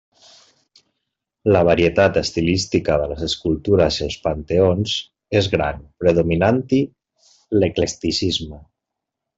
La varietat estilística de les escultures i els panteons és gran, predominant-hi l'eclecticisme.